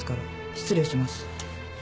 失礼します。